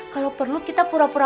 kalau perlu kita pura pura naik haji